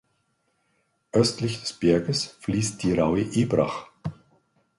Östlich des Berges fließt die Rauhe Ebrach.